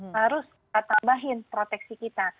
harus kita tambahin proteksi kita